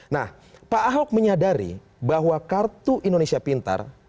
nah pak ahok menyadari bahwa kartu indonesia pintar